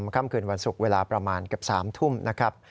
ค่ำคืนวันศุกร์เวลาประมาณเกือบ๓ทุ่มนะครับ